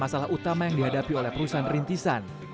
masalah utama yang dihadapi oleh perusahaan rintisan